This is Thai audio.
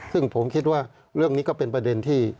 ซึ่งผมคิดว่าเรื่องนี้ก็เป็นประเด็นที่